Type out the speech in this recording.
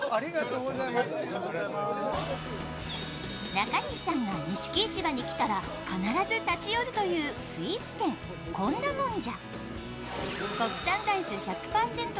中西さんが錦市場に来たら必ず立ち寄るというスイーツ店、こんなもんじゃ。